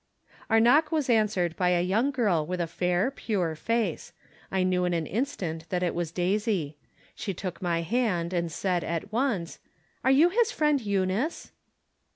Our knock was answered by a young girl with a fair, pure face. I knew in an instant that it was Daisy. She took my hand and said, at once :" Are you his friend Eunice